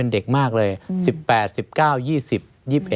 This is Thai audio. ไม่มีครับไม่มีครับ